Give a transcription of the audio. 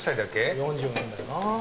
４０なんだよな。